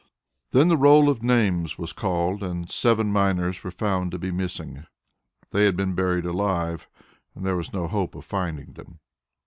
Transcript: Then the roll of names was called and seven miners were found to be missing. They had been buried alive and there was no hope of finding them.